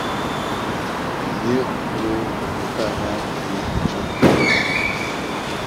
Lliɣ ur bɣiɣ ara ad yi-teǧǧeḍ.